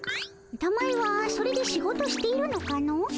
たまえはそれで仕事しているのかの？